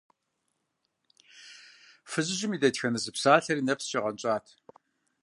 Фызыжьым и дэтхэнэ зы псалъэри нэпскӀэ гъэнщӀат.